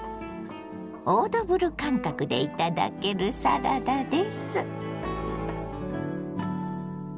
オードブル感覚で頂けるサラダです。